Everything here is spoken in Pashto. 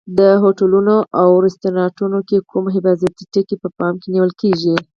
د هوټلونو او رستورانتونو کې کوم حفاظتي ټکي په پام کې نیول کېږي؟